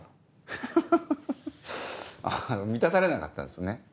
フフフ満たされなかったんですね。